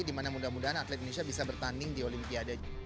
dimana mudah mudahan atlet indonesia bisa bertanding di olimpiade